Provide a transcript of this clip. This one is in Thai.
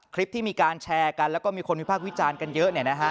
คลิปที่มีการแชร์กันแล้วก็มีคนวิพากษ์วิจารณ์กันเยอะ